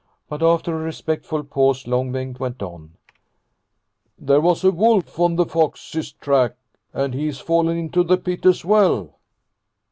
But after a respectful pause Long Bengt went on. ' There was a wolf on the fox's track, and he's fallen into the pit as well."